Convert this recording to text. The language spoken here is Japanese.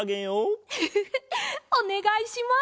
フフフおねがいします。